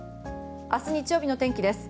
明日日曜日の天気です。